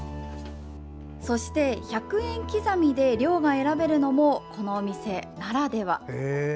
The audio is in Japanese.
そして１００円刻みで量が選べるのもこのお店ならでは。